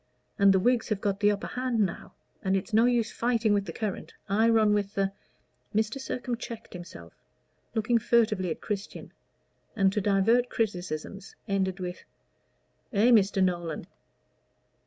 And the Whigs have got the upper hand now, and it's no use fighting with the current. I run with the " Mr. Sircome checked himself, looked furtively at Christian, and, to divert criticisms, ended with "eh, Mr. Nolan?"